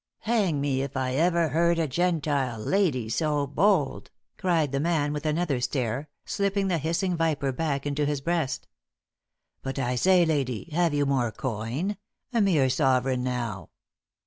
"Hang me if I ever heard a Gentile lady so bold!" cried the man, with another stare, slipping the hissing viper back into his breast. "But I say, lady, have you more coin a mere sovereign now?"